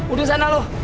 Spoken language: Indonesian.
udah sana lu